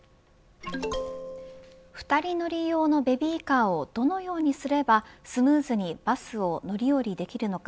２人乗り用のベビーカーをどのようにすればスムーズにバスを乗り降りできるのか。